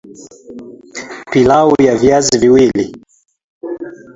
Pilau ya viazi mbili